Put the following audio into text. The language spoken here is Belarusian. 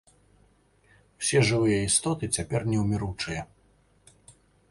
Усе жывыя істоты цяпер неўміручыя.